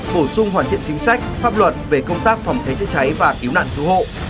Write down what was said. bổ sung hoàn thiện chính sách pháp luật về công tác phòng cháy chữa cháy và cứu nạn cứu hộ